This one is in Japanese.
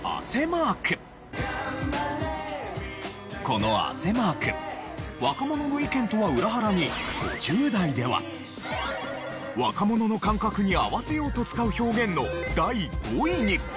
この汗マーク若者の意見とは裏腹に５０代では若者の感覚に合わせようと使う表現の第５位に。